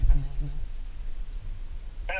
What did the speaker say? แทนออกเลยจั๊ก